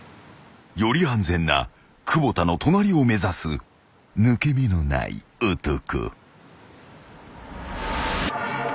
［より安全な久保田の隣を目指す抜け目のない男］